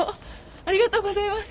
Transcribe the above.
ありがとうございます。